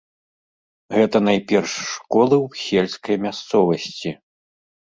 Гэта найперш школы ў сельскай мясцовасці.